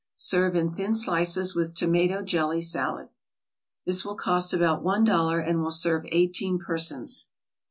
Serve in thin slices with tomato jelly salad. This will cost about one dollar and will serve eighteen persons.